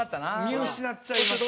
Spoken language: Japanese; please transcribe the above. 見失っちゃいまして。